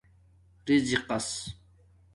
رزِقس